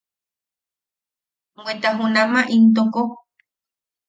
Bweta junama intoko.